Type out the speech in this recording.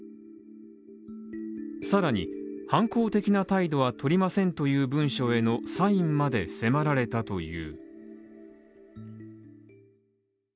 更に、反抗的な態度は取りませんという文書へのサインまで迫られたという。